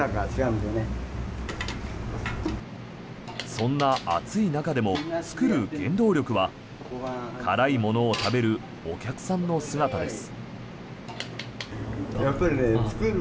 そんな暑い中でも作る原動力は辛いものを食べるお客さんの姿です。